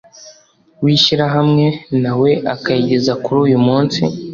w Ishyirahamwe nawe akayigeza kuri uyu munsi